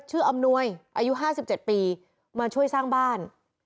อำนวยอายุ๕๗ปีมาช่วยสร้างบ้าน